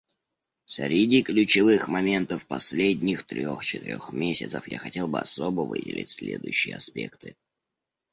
Среди ключевых моментов последних трех-четырех месяцев я хотел бы особо выделить следующие аспекты.